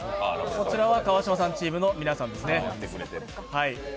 こちらは川島さんチームの皆さんですね